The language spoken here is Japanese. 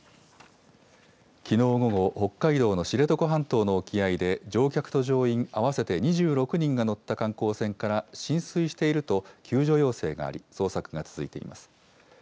きのう午後、北海道の知床半島の沖合で乗客と乗員合わせて２６人が乗った観光船から浸水していると救助要請があり、捜索が続いています。